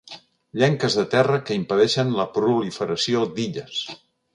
Llenques de terra que impedeixen la proliferació d'illes.